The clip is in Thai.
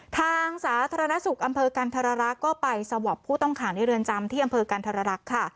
สาธารณสุขอำเภอกันธรรักษ์ก็ไปสวอปผู้ต้องขังในเรือนจำที่อำเภอกันธรรักษ์ค่ะ